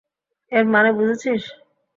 এর মানে বুঝেছিস?